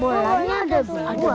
bolanya ada dua